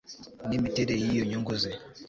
n imiterere y iyo nyungu ze